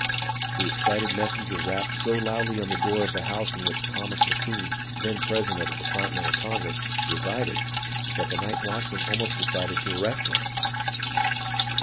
The excited messenger rapped so loudly on the door of the house in which Thomas M'Kean, then president of the Continental Congress, re sided that the night watchman almost decided to arrest him.